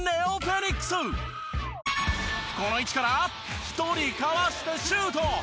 この位置から１人かわしてシュート！